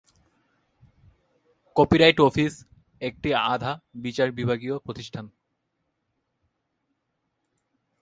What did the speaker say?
Copyright office একটি আধা-বিচার বিভাগীয় প্রতিষ্ঠান।